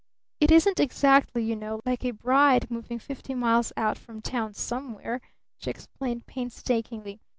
It isn't exactly, you know, like a bride moving fifty miles out from town somewhere," she explained painstakingly.